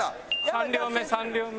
３両目３両目。